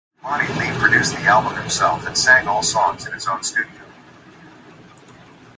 Lonnie Lee produced the album himself and sang all songs in his own studio.